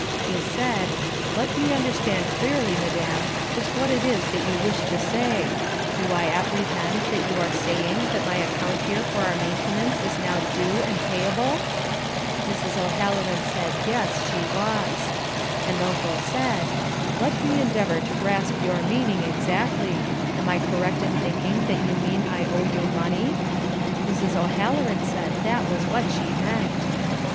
He said, "Let me understand clearly, madame, just what it is that you wish to say: do I apprehend that you are saying that my account here for our maintenance is now due and payable?" Mrs. O'Halloran said yes, she was. And Uncle said, "Let me endeavour to grasp your meaning exactly: am I correct in thinking that you mean I owe you money?" Mrs. O'Halloran said that was what she meant.